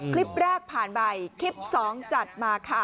คลิปแรกผ่านไปคลิป๒จัดมาค่ะ